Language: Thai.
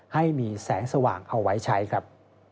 ให้มีแสงสว่างเอาไว้ใช้ครับ